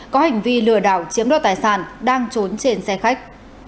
có hành vi lừa đảo chiếm đoạt tài sản đang trốn trên xe khách